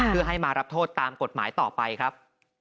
เพื่อให้มารับโทษตามกฎหมายต่อไปครับ